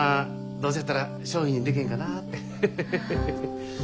どうせやったら商品にでけへんかなぁてヘヘヘヘ。